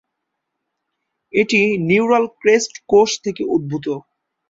এটি neural crest কোষ থেকে উদ্ভূত।